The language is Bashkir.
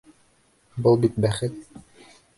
Был бит бәхет!